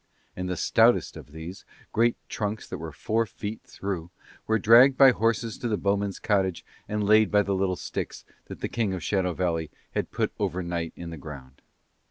And the stoutest of these, great trunks that were four feet through, were dragged by horses to the bowmen's cottage and laid by the little sticks that the King of Shadow Valley had put overnight in the ground.